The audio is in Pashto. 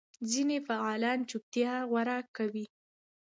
ځینې فعالان چوپتیا غوره کوي.